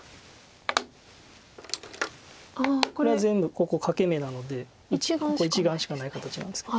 これ全部ここ欠け眼なので１眼しかない形なんですけど。